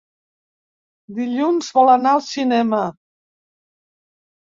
Dilluns vol anar al cinema.